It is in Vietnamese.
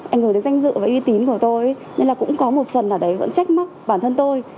anh ấy là danh dự và uy tín của tôi nên là cũng có một phần ở đấy vẫn trách mắc bản thân tôi